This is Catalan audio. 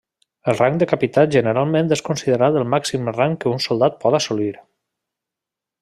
El rang de capità generalment és considerat el màxim rang que un soldat pot assolir.